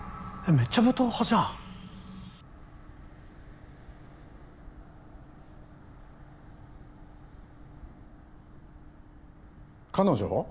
めっちゃ武闘派じゃん彼女？